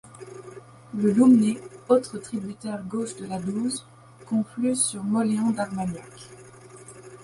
Le Loumné, autre tributaire gauche de la Douze, conflue sur Mauléon-d'Armagnac.